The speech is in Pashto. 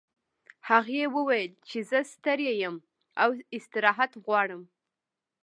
هغې وویل چې زه ستړې یم او استراحت غواړم